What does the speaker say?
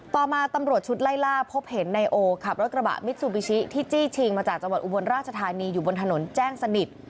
ต่อมาตำรวจชุดไล่ล่าพบเห็นนายโอขับรถกระบะมิซูบิชิที่จี้ชิงมาจากจังหวัดอุบลราชธานีอยู่บนถนนแจ้งสนิท